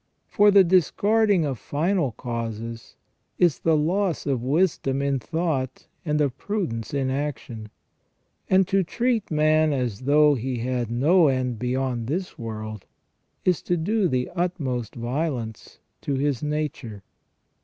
For the discarding of final causes is the loss of wisdom in thought and of prudence in action, and to treat man as though he had no end beyond this world is to do the utmost violence to his nature.